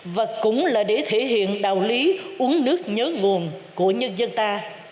và cũng là để thể hiện đạo lý uống nước nhớ nguồn của nhân dân ta